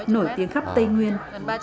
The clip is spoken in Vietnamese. nổi tiếng khắp tây nguyên